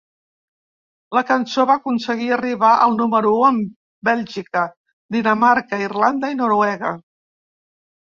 La cançó va aconseguir arribar al número u en Bèlgica, Dinamarca, Irlanda i Noruega.